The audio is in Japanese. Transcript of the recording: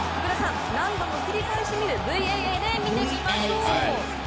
何度も繰り返し見るＶＡＡで見てみましょう。